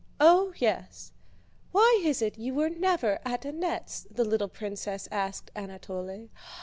"Oh, yes!" "Why is it you were never at Annette's?" the little princess asked Anatole.